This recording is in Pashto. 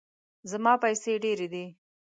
زما پیسې ډیرې دي